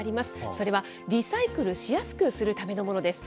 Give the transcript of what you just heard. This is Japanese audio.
それはリサイクルしやすくするためのものです。